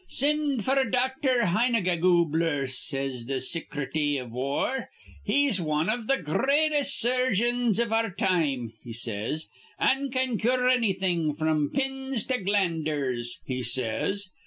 'Sind f'r Doctor Heinegagubler,' says th' Sicrety iv War. 'He's wan iv th' gr reatest surgeons iv our time,' he says, 'an' can cure annything fr'm pips to glanders,' he says.